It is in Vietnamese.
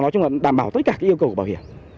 nó nói chung là đảm bảo tất cả yêu cầu bảo hiểm